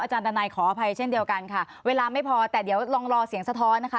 ทนายขออภัยเช่นเดียวกันค่ะเวลาไม่พอแต่เดี๋ยวลองรอเสียงสะท้อนนะคะ